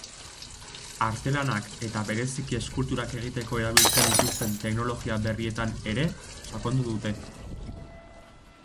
Arte lanak eta bereziki eskulturak egiteko erabiltzen dituzten teknologia berrietan ere sakonduko dute.